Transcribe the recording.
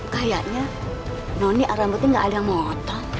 kayaknya noni rambutnya gak ada yang memotong